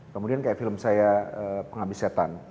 kemudian kayak film saya penghabis setan